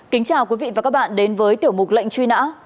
kính chào quý vị và các bạn đến với tiểu mục lệnh truy nã